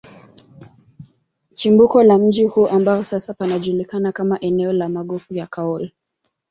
Chimbuko la mji huu ambako sasa panajulikana kama eneo la magofu ya Kaole